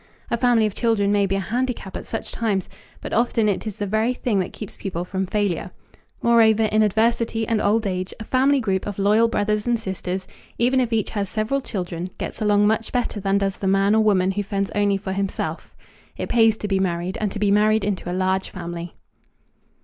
A family of children may be a handicap at such times, but often it is the very thing that keeps people from failure. Moreover, in adversity and old age a family group of loyal brothers and sisters, even if each has several children, gets along much better than does the man or woman who fends only for himself. It pays to be married and to be married into a large family.